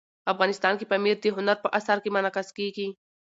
افغانستان کې پامیر د هنر په اثار کې منعکس کېږي.